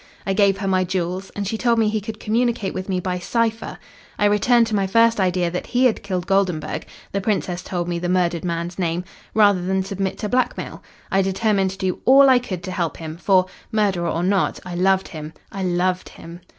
I gave her my jewels, and she told me he could communicate with me by cipher. I returned to my first idea that he had killed Goldenburg the Princess told me the murdered man's name rather than submit to blackmail. I determined to do all I could to help him, for, murderer or not, I loved him I loved him.